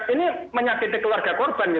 ini menyakiti keluarga korban